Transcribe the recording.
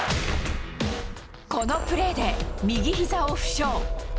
このプレーで右ひざを負傷。